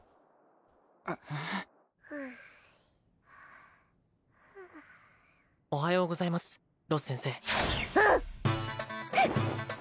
うっおはようございますロス先生